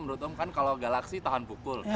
menurut om kan kalau galaksi tahan pukul